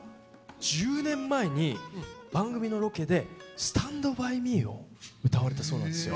１０年前に番組のロケで「スタンド・バイ・ミー」を歌われたそうなんですよ。